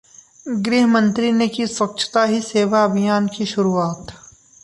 गृहमंत्री ने की 'स्वच्छता ही सेवा' अभियान की शुरुआत